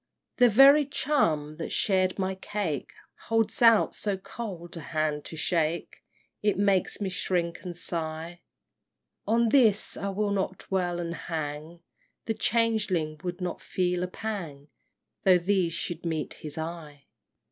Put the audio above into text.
VIII. The very chum that shared my cake Holds out so cold a hand to shake, It makes me shrink and sigh: On this I will not dwell and hang, The changeling would not feel a pang Though these should meet his eye!